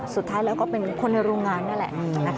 สุดท้ายแล้วก็เป็นคนในโรงงานนั่นแหละ